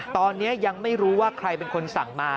ตอนนี้ยังไม่รู้ว่าใครเป็นคนสั่งมา